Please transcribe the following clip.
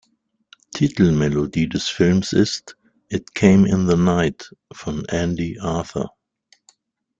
Titelmelodie des Films ist: "It Came in the Night" von Andy Arthur.